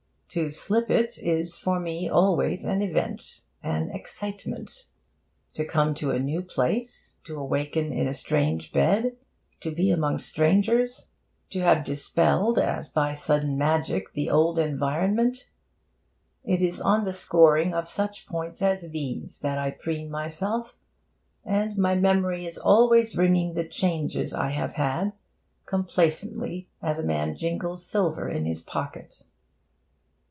To slip it is for me always an event, an excitement. To come to a new place, to awaken in a strange bed, to be among strangers! To have dispelled, as by sudden magic, the old environment! It is on the scoring of such points as these that I preen myself, and my memory is always ringing the 'changes' I have had, complacently, as a man jingles silver in his pocket.